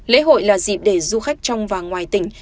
lễ hội là dịp để du khách trong và ngoài tỉnh